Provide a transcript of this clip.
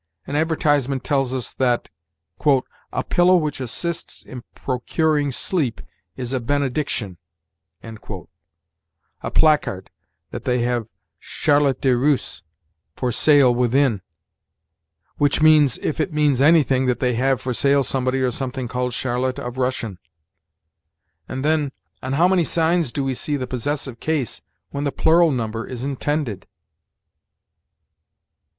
An advertisement tells us that "a pillow which assists in procuring sleep is a benediction"; a placard, that they have "Charlotte de Russe" for sale within, which means, if it means anything, that they have for sale somebody or something called Charlotte of Russian; and, then, on how many signs do we see the possessive case when the plural number is intended!